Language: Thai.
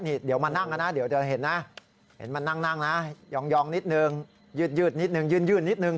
นี่เดี๋ยวมานั่งกันนะเดี๋ยวจะเห็นนะเห็นมานั่งนะยองนิดนึงยืดนิดนึง